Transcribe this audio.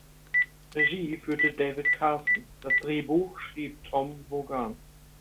Regie führte David Carson, das Drehbuch schrieb Tom Vaughan.